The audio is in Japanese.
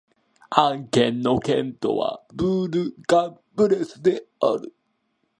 アン県の県都はブール＝カン＝ブレスである